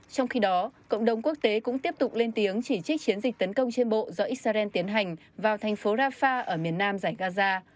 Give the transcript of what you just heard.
trong khi đó cộng đồng quốc tế cũng tiếp tục lên tiếng chỉ trích chiến dịch tấn công trên bộ do israel tiến hành vào thành phố rafah ở miền nam giải gaza